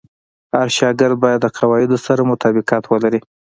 هر شاګرد باید د قواعدو سره مطابقت ولري.